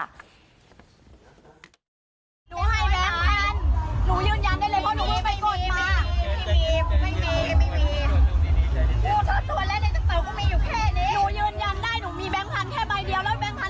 หนูให้แบงค์ทัน